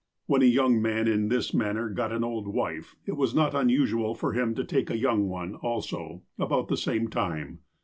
When a young man, in this manner, got an old wife, it was not unusual for him to take a young one, also, about the same time.